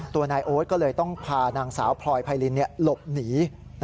นายโอ๊ตก็เลยต้องพานางสาวพลอยไพรินหลบหนี